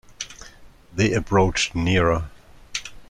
They approached nearer.